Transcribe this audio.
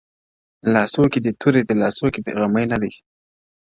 o لاسو كې توري دي لاسو كي يې غمى نه دی،